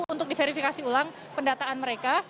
untuk diverifikasi ulang pendataan mereka